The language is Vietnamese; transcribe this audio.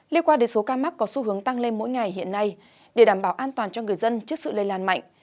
liên quan đến số ca mắc có xu hướng tăng lên mỗi ngày hiện nay để đảm bảo an toàn cho người dân trước sự lây lan mạnh